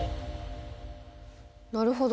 なるほど。